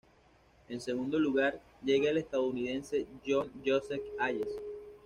En segundo lugar llega el estadounidense John Joseph Hayes.